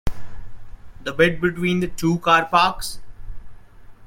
The bit between the two car parks?